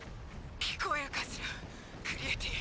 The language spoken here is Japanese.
聞こえるかしらクリエティ！